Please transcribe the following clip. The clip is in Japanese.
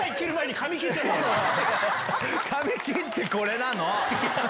髪切ってこれなの。